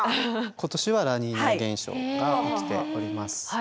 今年はラニーニャ現象が起きております。